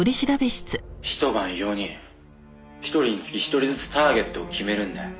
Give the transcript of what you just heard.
「一晩４人」「一人につき一人ずつターゲットを決めるんだよ」